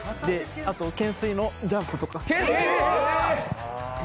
あと懸垂のジャンプとか。